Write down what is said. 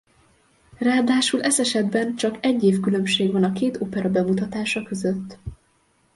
Ráadásul ez esetben csak egy év különbség van a két opera bemutatása között.